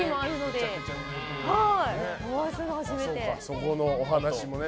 そこのお話もね。